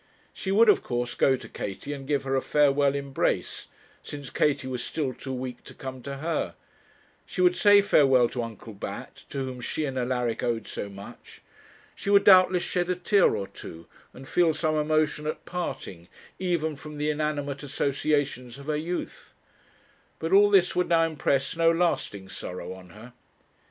She would, of course, go to Katie and give her a farewell embrace, since Katie was still too weak to come to her; she would say farewell to Uncle Bat, to whom she and Alaric owed so much; she would doubtless shed a tear or two, and feel some emotion at parting, even from the inanimate associations of her youth; but all this would now impress no lasting sorrow on her.